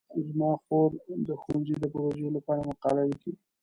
زما خور د ښوونځي د پروژې لپاره مقاله لیکي.